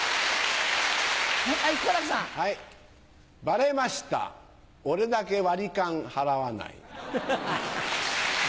バレました俺だけ割り勘払わない。